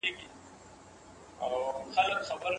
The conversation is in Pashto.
خپل ځان له ککړتیا څخه وساتئ.